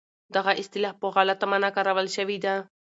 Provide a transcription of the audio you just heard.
دغه اصطلاح په غلطه مانا کارول شوې ده.